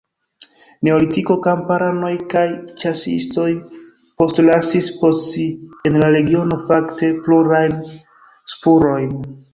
Neolitiko kamparanoj kaj ĉasistoj postlasis post si en la regiono fakte plurajn spurojn.